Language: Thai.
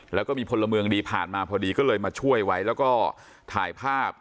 แล้วก็มีพลเมืองดีผ่านมาพอดีก็เลยมาช่วยไว้แล้วก็ถ่ายภาพ